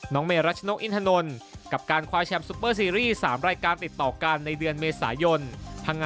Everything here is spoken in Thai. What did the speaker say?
เมรัชนกอินทนนท์กับการคว้าแชมป์ซุปเปอร์ซีรีส์๓รายการติดต่อกันในเดือนเมษายน